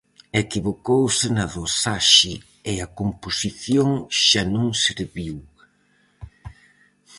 Equivocouse na dosaxe e a composición xa non serviu.